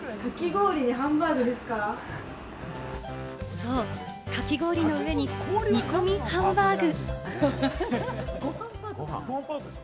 そう、かき氷の上に煮込みハンバーグ！